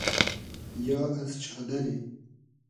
یا از چادئری